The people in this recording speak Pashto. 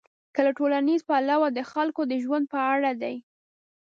که له ټولنیز پلوه د خلکو د ژوند په اړه دي.